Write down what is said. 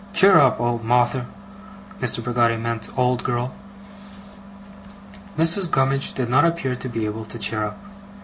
'Cheer up, old Mawther!' (Mr. Peggotty meant old girl.) Mrs. Gummidge did not appear to be able to cheer up.